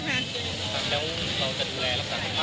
แล้วเราจะดูแลพาสัตว์ครับทุกคนอย่างไรนะครับ